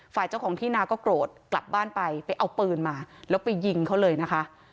ฝ่ายเจ้าของที่นาก็โกรธกลับบ้านไปไปเอาปืนมาแล้วไปยิงเขาเลยนะคะ